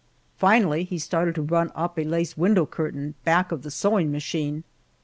Finally he started to run up a lace window curtain back of the sewing machine.